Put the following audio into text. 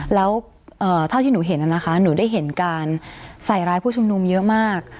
แล้วเท่าที่หนูเห็นนะคะหนูได้เห็นการใส่ร้ายผู้ชุมนุมเยอะมาก